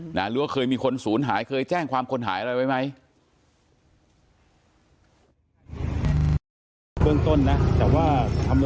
หรือว่าเคยมีคนศูนย์หายเคยแจ้งความคนหายอะไรไว้ไหม